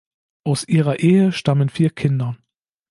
Aus ihrer Ehe stammen vier Kinder.